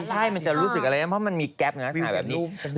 ใช่มันจะรู้สึกอะไรนะเพราะมันมีแก๊ปในลักษณะแบบนี้